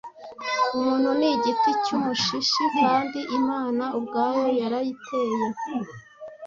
umuntu ni igiti cy'umushishi kandi imana ubwayo yarayiteye